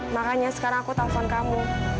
makanya sekarang aku telpon kamu